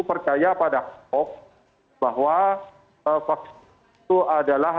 percaya pada hoax bahwa vaksin itu adalah